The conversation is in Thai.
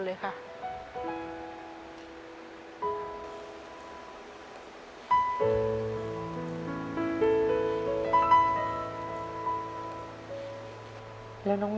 แต่ที่แม่ก็รักลูกมากทั้งสองคน